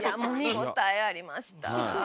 見応えありました。